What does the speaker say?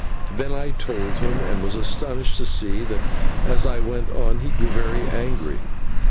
Then I told him, and was astonished to see that as I went on he grew very angry.